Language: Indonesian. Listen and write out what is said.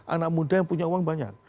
anak muda yang punya uang banyak